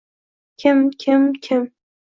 Kim? Kim? Kim?